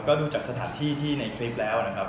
ก็ดูจากสถานที่ที่ในคลิปแล้วนะครับ